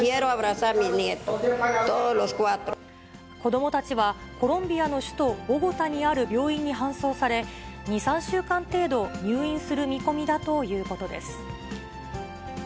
子どもたちは、コロンビアの首都ボゴタにある病院に搬送され、２、３週間程度、入院する見込みだということです。